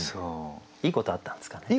いいことあったんですかね。